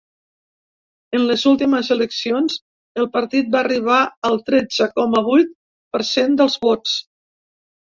En les últimes eleccions, el partit va arribar al tretze coma vuit per cent dels vots.